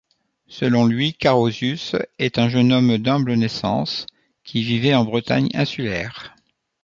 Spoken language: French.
Selon lui Carausius est un jeune homme d'humble naissance qui vivait en Bretagne insulaire.